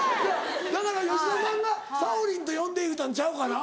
だから吉田さんが「さおりんと呼んで」言うたんちゃうかな？